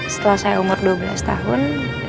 setelah saya umur dua belas tahun